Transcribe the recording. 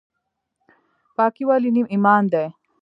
پاکي ولې نیم ایمان دی؟